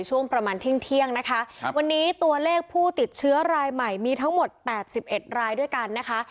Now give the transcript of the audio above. ช่วงประมาณเที่ยงนะคะครับวันนี้ตัวเลขผู้ติดเชื้อรายใหม่มีทั้งหมด๘๑รายด้วยกันนะคะ